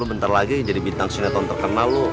lo bentar lagi yang jadi bintang sinetron terkenal lo